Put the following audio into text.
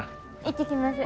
行ってきます。